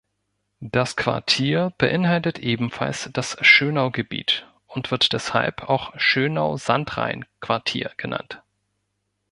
Das Quartier beinhaltet ebenfalls das Schönau-Gebiet und wird deshalb auch Schönau-Sandrain-Quartier genannt.